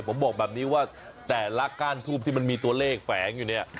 ผมบอกแบบนี้ว่าแต่ละก้านทูบที่มันมีตัวเลขแฝงอยู่เนี่ย